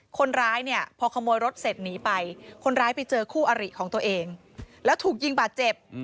คนร้ายเนี่ยพอขโมยรถเสร็จหนีไปคนร้ายไปเจอคู่อริของตัวเองแล้วถูกยิงบาดเจ็บ